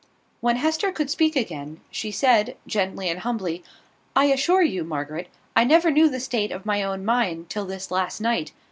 When Hester could speak again, she said, gently and humbly, "I assure you, Margaret, I never knew the state of my own mind till this last night.